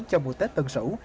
trong mùa tết tân sủ